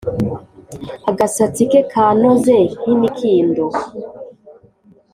agasatsi ke kanoze nk’imikindo,